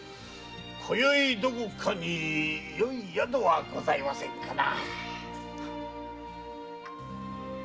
今宵どこかによい宿はございませんかな？